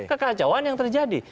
kekacauan yang terjadi